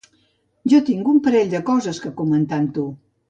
Jo tinc un parell de coses que comentar amb tu.